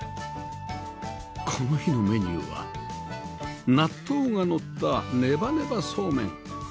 この日のメニューは納豆がのったネバネバそうめん